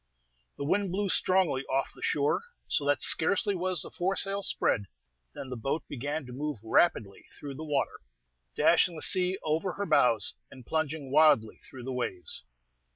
The wind blew strongly off the shore, so that scarcely was the foresail spread than the boat began to move rapidly through the water, dashing the sea over her bows, and plunging wildly through the waves.